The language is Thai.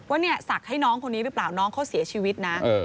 ว่าเนี่ยศักดิ์ให้น้องคนนี้หรือเปล่าน้องเขาเสียชีวิตนะ